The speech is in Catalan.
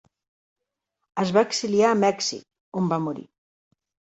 Es va exiliar a Mèxic, on va morir.